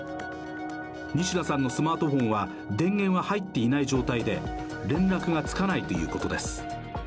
仁科さんのスマートフォンは電源は入っていない状態で連絡がつかないということです。